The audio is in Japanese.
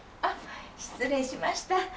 あっ失礼しました。